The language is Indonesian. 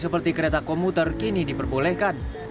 seperti kereta komuter kini diperbolehkan